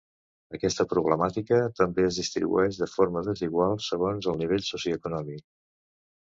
Aquesta problemàtica també es distribueix de forma desigual segons el nivell socioeconòmic.